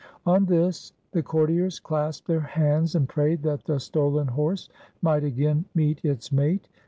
On this the courtiers clasped their hands and prayed that the stolen horse might again meet its mate.